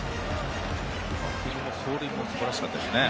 バッティングも走塁も素晴らしかったですね。